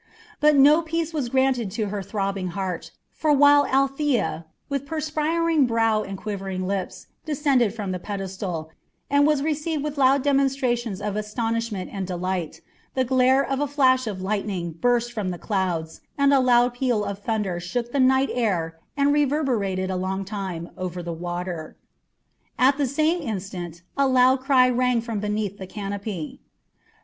But no peace was yet granted to her throbbing heart, for while Althea, with perspiring brow and quivering lips, descended from the pedestal, and was received with loud demonstrations of astonishment and delight, the glare of a flash of lightning burst through the clouds, and a loud peal of thunder shook the night air and reverberated a long time over the water. At the same instant a loud cry rang from beneath the canopy.